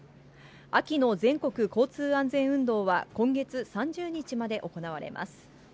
秋の全国交通安全運動は、今月３０日まで行われます。